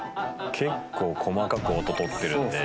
結構細かく音取ってるんで。